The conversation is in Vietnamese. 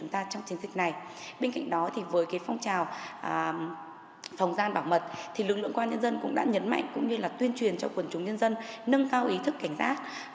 trong đó với phong trào phòng gian bảo mật lực lượng công an nhân dân cũng đã nhấn mạnh cũng như tuyên truyền cho quần chúng nhân dân nâng cao ý thức cảnh giác